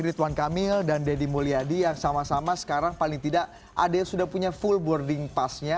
ridwan kamil dan deddy mulyadi yang sama sama sekarang paling tidak ada yang sudah punya full boarding passnya